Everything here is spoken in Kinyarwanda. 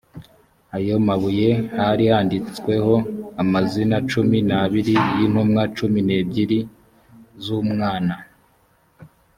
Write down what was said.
ayo mabuye hari handitsweho amazina cumi n abiri y intumwa cumi n ebyiri l z umwana